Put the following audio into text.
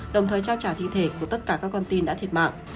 đồng thời trao trả thi thể của tất cả các con tin đã thiệt mạng